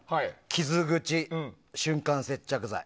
「傷口瞬間接着剤」。